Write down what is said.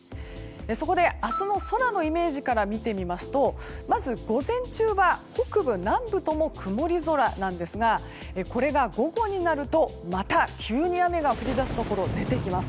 そこで、明日の空のイメージから見てみますとまず午前中は北部、南部とも曇り空なんですがこれが午後になるとまた急に雨が降り出すところが出てきます。